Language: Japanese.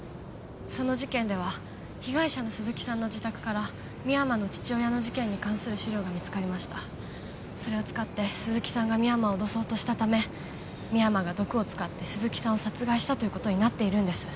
その事件では被害者の鈴木さんの自宅から深山の父親の事件に関する資料が見つかりましたそれを使って鈴木さんが深山を脅そうとしたため深山が毒を使って鈴木さんを殺害したということになってます